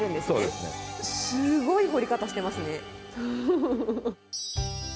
すごい掘り方してますね。